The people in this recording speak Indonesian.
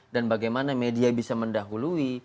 dan bagaimana media bisa mendahului